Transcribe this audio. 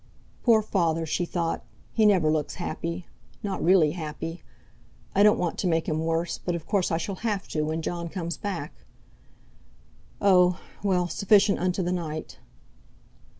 'Poor Father!' she thought. 'He never looks happy—not really happy. I don't want to make him worse, but of course I shall have to, when Jon comes back. Oh! well, sufficient unto the night!'